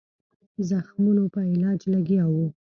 زخمونو په علاج لګیا وو.